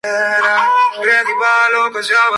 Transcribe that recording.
Servicio diurno